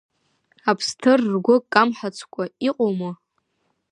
Аԥсҭыр ргәы камҳацкәа иҟоума?